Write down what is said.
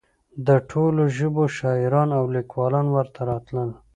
د ټولو ژبو شاعران او لیکوال ورته راتلل.